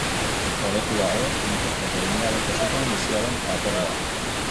Molekula hauek funtsezko zeregina bete zuten biziaren jatorrian.